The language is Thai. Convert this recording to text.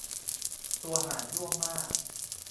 ตัวหารร่วมมาก